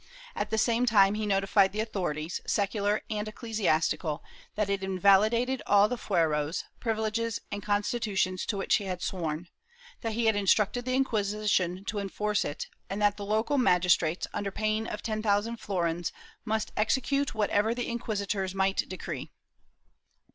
At the same time he notified the authorities, secular and eccle siastical, that it invalidated all the fueros, privileges and consti tutions to which he had sworn; that he had instructed the Inqui sition to enforce it, and that the local magistrates, under pain of ten thousand florins, must execute whatever the inquisitors might decree.